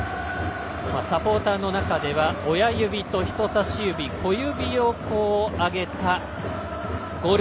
サポーターの中では親指と人さし指小指を上げたゴール